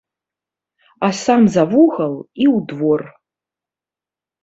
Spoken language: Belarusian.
А сам за вугал і ў двор.